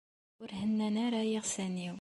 Ur hennan ara yiɣsan-iw.